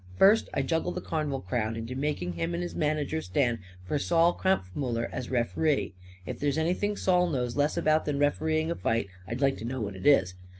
"First, I juggle the carn'val crowd into making him and his manager stand for Sol Kampfmuller as ref'ree. If there's anything Sol knows less about than ref'reeing a fight I'd like to know what it is.